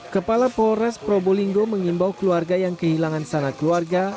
kepala polres probolinggo mengimbau keluarga yang kehilangan sana keluarga